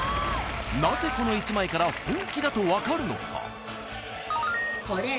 ［なぜこの１枚から本気だと分かるのか？］